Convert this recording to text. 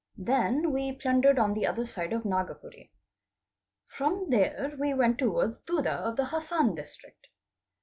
Then we plundered on the other side of Nagpuree. From there we went towards Duddu of the Hassan District.